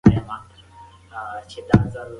که کاغذ سپین وي نو سترګې نه ستړې کیږي.